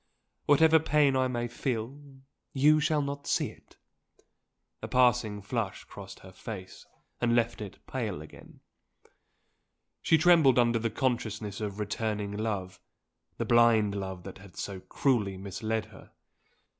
Whatever pain I may feel, you shall not see it!" A passing flush crossed her face, and left it pale again. She trembled under the consciousness of returning love the blind love that had so cruelly misled her!